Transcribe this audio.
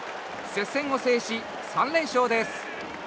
接戦を制し３連勝です。